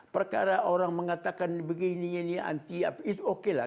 perkara orang mengatakan begini ini anti itu oke lah